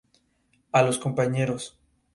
A los compañeros.